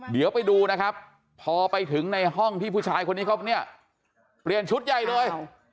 เดี๋ยวไปดูนะครับพอไปถึงในห้องที่ผู้ชายคนนี้เขาเนี่ยเปลี่ยนชุดใหญ่เลย